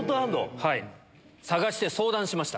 探して相談しました。